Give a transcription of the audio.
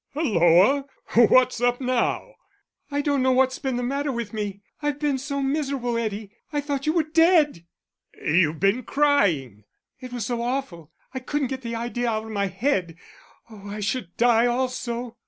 "Hulloa, what's up now?" "I don't know what's been the matter with me.... I've been so miserable, Eddie I thought you were dead!" "You've been crying!" "It was so awful, I couldn't get the idea out of my head.... Oh, I should die also."